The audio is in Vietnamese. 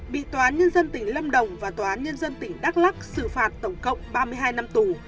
bị tòa án nhân dân tỉnh lâm đồng và tòa án nhân dân tỉnh đắk lắc xử phạt tổng cộng ba mươi hai năm tù